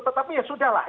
tetapi ya sudah lah